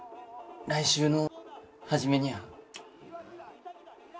来週の初めにゃあ。